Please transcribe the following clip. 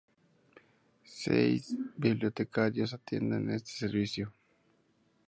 Seis bibliotecarios atienden este servicio.